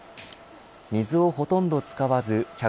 水をほとんど使わず１００％